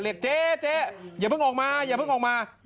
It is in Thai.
เรียกเจ๊เจ๊อย่าเพิ่งออกมาอย่าเพิ่งออกมา